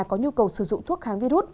có nhu cầu sử dụng thuốc kháng virus